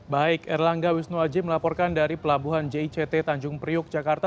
baik erlangga wisnuaji melaporkan dari pelabuhan jict tanjung priuk jakarta